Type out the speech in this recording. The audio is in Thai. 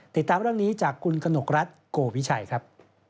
ติดตามเรื่องนี้จากคุณกนกรัฐโกวิชัยครับ